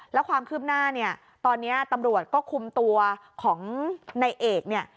แล้วความคืบหน้าเนี่ยตอนนี้ตำรวจก็คุมตัวของนายเอกเนี่ย